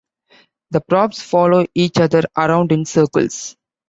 The props follow each other around in circles.